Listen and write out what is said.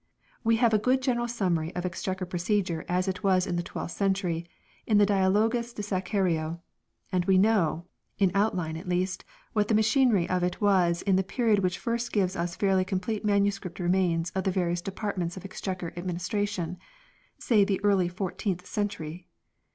We have a good general summary of Exchequer procedure as it was in the twelfth century in the "Dialogus de Scaccario"; 2 and we know, in outline at least, what the machinery of it was in the period which first gives us fairly complete manuscript remains of the various depart ments of Exchequer administration say the early fourteenth century.